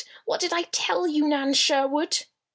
What did I tell you, Nan Sherwood?"